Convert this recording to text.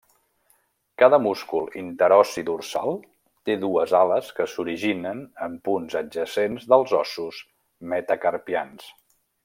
Cada múscul interossi dorsal té dues ales que s'originen en punts adjacents dels ossos metacarpians.